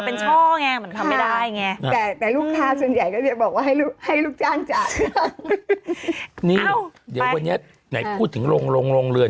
นี่เดี๋ยววันนี้ไหนพูดถึงโรงเรือน